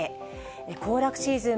行楽シーズン